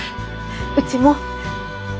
うちも。